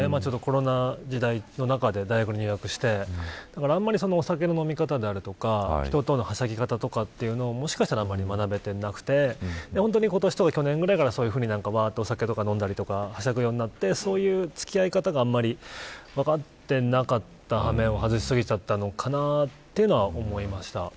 コロナ時代の中で大学に入学してあまりお酒の飲み方や人とのはしゃぎ方をもしかしたらあまり学べていなくて今年とか去年ぐらいからお酒を飲んだりとかはしゃぐようになってそういう付き合い方があんまり分かっていなかった面羽目を外し過ぎちゃったのかなって言うのは思いました。